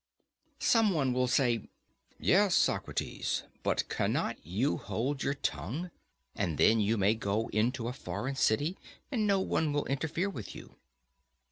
Some one will say: Yes, Socrates, but cannot you hold your tongue, and then you may go into a foreign city, and no one will interfere with you?